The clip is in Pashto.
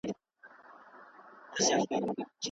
زه به خپل یادښتونه لیکم.